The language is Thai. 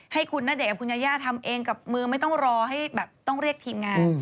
ให้คุณณเดชนกับคุณยาย่าทำเองกับมือไม่ต้องรอให้แบบต้องเรียกทีมงาน